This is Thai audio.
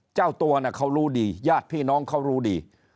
เจ้าตัวเขารู้ดีญาติพี่น้องเขารู้ดี